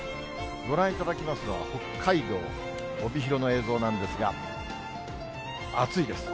ご覧いただきますのは、北海道帯広の映像なんですが、暑いです。